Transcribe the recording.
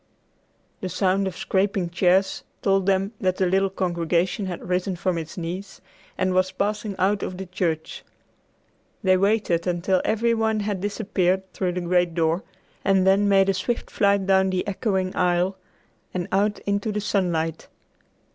The sound of scraping chairs told them that the little congregation had risen from its knees and was passing out of the church. They waited until every one had disappeared through the great door, and then made a swift flight down the echoing aisle and out into the sunlight.